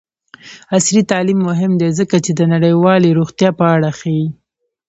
عصري تعلیم مهم دی ځکه چې د نړیوالې روغتیا په اړه ښيي.